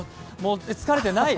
疲れてない？